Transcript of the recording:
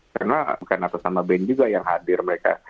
karena bukan apa sama band juga yang hadir mereka